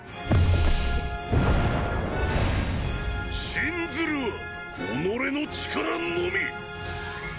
信ずるは己の力のみ！！